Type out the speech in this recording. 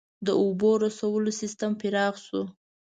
• د اوبو رسولو سیستم پراخ شو.